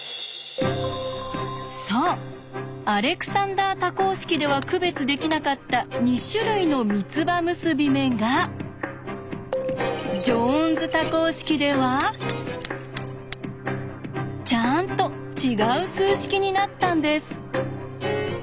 そうアレクサンダー多項式では区別できなかった２種類の三つ葉結び目がジョーンズ多項式ではちゃんと違う数式になったんです。